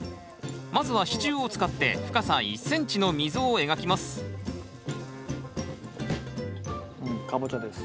まずは支柱を使って深さ１ｃｍの溝を描きますうんカボチャです。